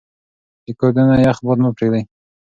د کور دننه يخ باد مه پرېږدئ.